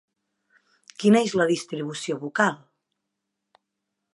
Quina és la distribució vocal?